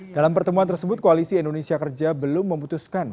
dalam pertemuan tersebut koalisi indonesia kerja belum memutuskan